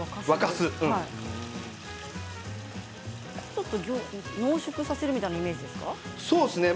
ちょっと凝縮させるイメージですか。